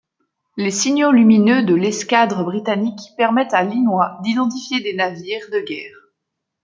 Les signaux lumineux de l'escadre britannique permettent à Linois d'identifier des navires de guerre.